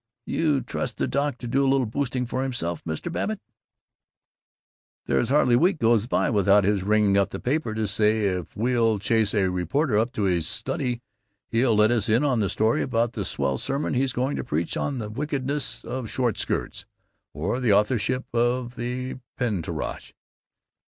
"You trust the doc to do a little boosting for himself, Mr. Babbitt! There's hardly a week goes by without his ringing up the paper to say if we'll chase a reporter up to his Study, he'll let us in on the story about the swell sermon he's going to preach on the wickedness of short skirts, or the authorship of the Pentateuch.